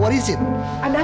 saya sudah menemukan